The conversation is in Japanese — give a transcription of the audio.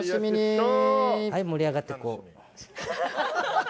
はい、盛り上がっていこう。